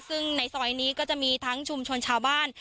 ซึ่งในซอยนี้ก็จะมีทั้งชุมชนชาวบ้าน